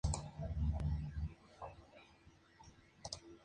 Víctima de una angina de pecho, falleció a los pocos meses.